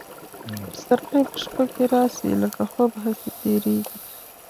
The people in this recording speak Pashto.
پسرلي په شپه کي راسي لکه خوب هسي تیریږي